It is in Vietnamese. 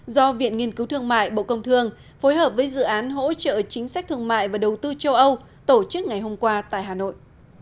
do viện nghiên cứu thương mại bộ công thương phối hợp với dự án hỗ trợ chính sách thương mại và đầu tư châu âu tổ chức ngày hôm qua tại hà nội